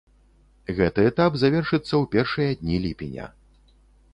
Гэты этап завершыцца ў першыя дні ліпеня.